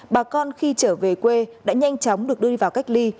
bà con khi trở về quê đã nhanh chóng được đưa đi vào cách ly